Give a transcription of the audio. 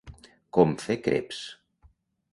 Com fer creps.